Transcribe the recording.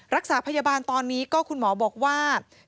รักษาพยาบาลตอนนี้ก็คุณหมอบอกว่า